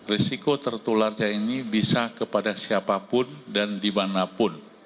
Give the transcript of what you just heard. risiko tertularnya ini bisa kepada siapapun dan dimanapun